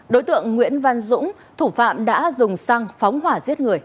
đối tượng nguyễn văn dũng thủ phạm đã dùng xăng phóng hỏa giết người